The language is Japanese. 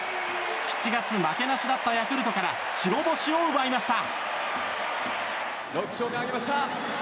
７月負けなしだったヤクルトから白星を奪いました。